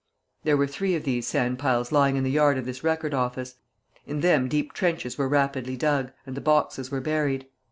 There were three of these sand piles lying in the yard of this record office. In them deep trenches were rapidly dug; and the boxes were buried.